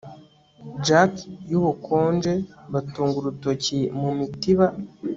jack yubukonje batunga urutoki mumitiba